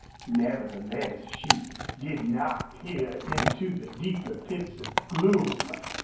Nevertheless, she did not peer into the deeper pits of gloom.